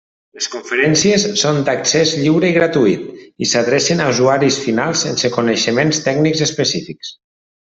Les conferències són d'accés lliure i gratuït, i s'adrecen a usuaris finals sense coneixements tècnics específics.